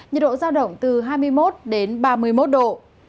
nhiệt độ giao động từ hai mươi một đến ba mươi một độ